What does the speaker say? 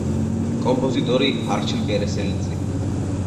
კომპოზიტორი: არჩილ კერესელიძე.